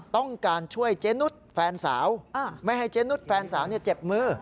ต้องการช่วยเจนุสแฟนสาวไม่ให้เจนุสแฟนสาวเจ็บมือ